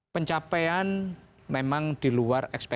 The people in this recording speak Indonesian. pencapaian memang di luar ekspektasi